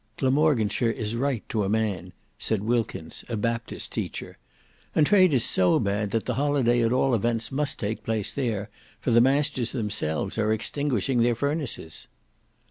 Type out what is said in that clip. "Glamorganshire is right to a man," said Wilkins a Baptist teacher. "And trade is so bad that the Holiday at all events must take place there, for the masters themselves are extinguishing their furnaces.